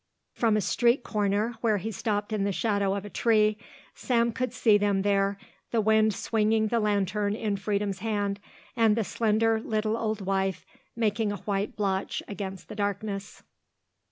From a street corner, where he stopped in the shadow of a tree, Sam could see them there, the wind swinging the lantern in Freedom's hand and the slender little old wife making a white blotch against the darkness.